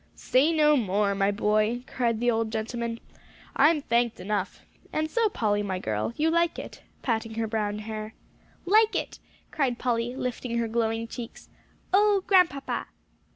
"Say no more, my boy," cried the old gentleman. "I'm thanked enough. And so, Polly, my girl, you like it," patting her brown hair. "Like it!" cried Polly, lifting her glowing cheeks, "oh, Grandpapa!"